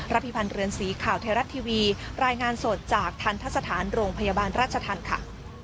พิพันธ์เรือนสีข่าวไทยรัฐทีวีรายงานสดจากทันทสถานโรงพยาบาลราชธรรมค่ะ